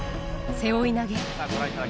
背負い投げ。